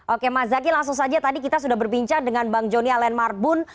oke mas zaki langsung saja tadi kita sudah berbincang dengan bang jonny alen marbun